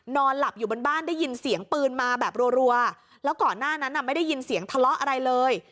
นอนหลับอยู่บนบ้านได้ยินเสียงปืนมาแบบรัวแล้วก่อนหน้านั้นไม่ได้ยินเสียงทะเลาะอะไรเลย